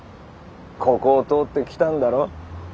ここを通って来たんだろ？